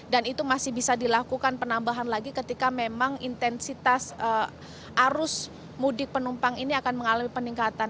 itu masih bisa dilakukan penambahan lagi ketika memang intensitas arus mudik penumpang ini akan mengalami peningkatan